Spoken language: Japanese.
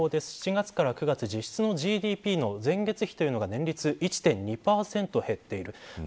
７月から９月、実質ＧＤＰの前年比が年率１．２％減っている。